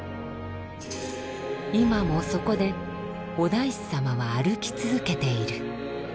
今もそこでお大師様は歩き続けている。